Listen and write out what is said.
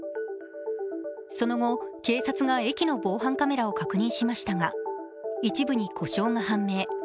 その後、警察が駅の防犯カメラを確認しましたが一部に故障が判明。